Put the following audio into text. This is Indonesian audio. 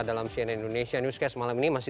dalam cnn indonesia newscast malam ini masih